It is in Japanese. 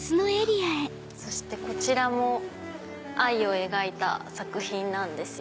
そしてこちらも愛を描いた作品なんですよ。